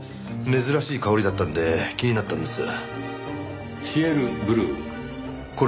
珍しい香りだったので気になったんですよ。